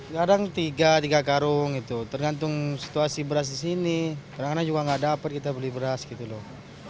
kadang tiga tiga karung itu tergantung situasi beras di sini kadang kadang juga nggak dapat kita beli beras gitu loh